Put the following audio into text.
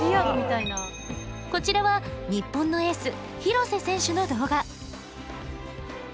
こちらは日本のエース、廣瀬選手の動画。